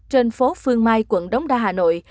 trên phố phương mai quận đống đa hà nội